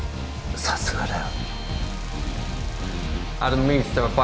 さすがだよ